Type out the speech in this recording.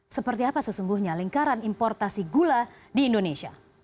seperti apa sesungguhnya lingkaran importasi gula di indonesia